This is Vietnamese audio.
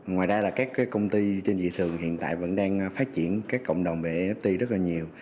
ngoài ra là các công ty trên thị trường hiện tại vẫn đang phát triển các cộng đồng bft rất là nhiều